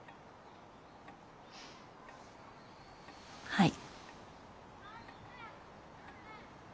はい。